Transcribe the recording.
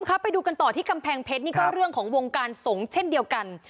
ไปดูกันต่อที่กำแพงเพชรนี่ก็เรื่องของวงการสงฆ์เช่นเดียวกัน